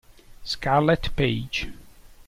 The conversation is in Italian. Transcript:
Scarlet Page